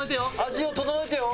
味を調えてよ。